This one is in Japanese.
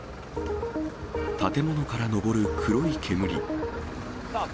建物から上る黒い煙。